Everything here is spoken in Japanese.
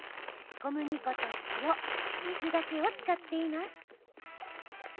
小麦粉と塩水だけを使っています。